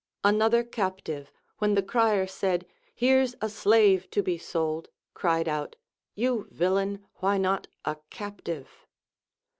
Another captive, when the crier said. Here's a slave to be sold, cried out. You villain, why not a captive